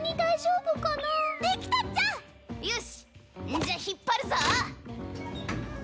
んじゃ引っ張るぞ。